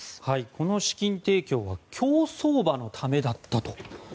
この資金提供は競走馬のためだったと。